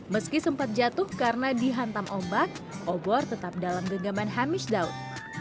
meski sempat jatuh karena dihantam ombak obor tetap dalam genggaman hamish daud